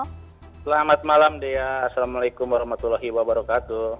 selamat malam dea assalamualaikum warahmatullahi wabarakatuh